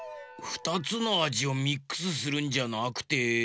２つのあじをミックスするんじゃなくて。